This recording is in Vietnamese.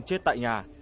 chết tại nhà